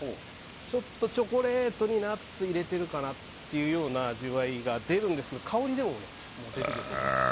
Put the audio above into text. ちょっとチョコレートにナッツ入れてるかなっていうような味わいが出るんですけど香りでも出てくると思います。